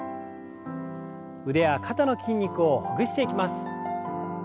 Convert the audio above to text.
腕や肩の筋肉をほぐしていきます。